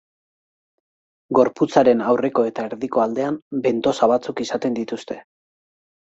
Gorputzaren aurreko eta erdiko aldean bentosa batzuk izaten dituzte.